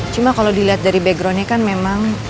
cuma kalau dilihat dari backgroundnya kan memang